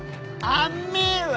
甘えわ！